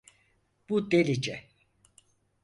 Bu delice.